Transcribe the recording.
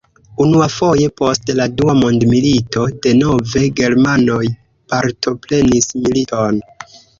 Unuafoje post la Dua mondmilito, denove germanoj partoprenis militon.